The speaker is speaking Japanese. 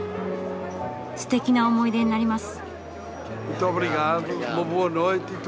すてきな思い出になります。